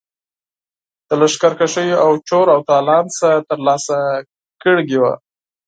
د لښکرکښیو او چور او تالان څخه ترلاسه کړي وه.